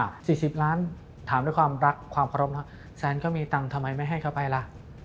สี่สิบล้านถามด้วยความรักความเคารพนะแซนก็มีตังค์ทำไมไม่ให้เขาไปล่ะ